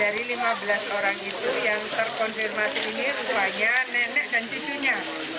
dari lima belas orang itu yang terkonfirmasi ini rupanya nenek dan cucunya